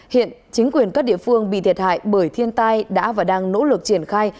hiện chính quyền các địa phương bị thiệt hại bởi thiên tai đã và đang nỗ lực triển khai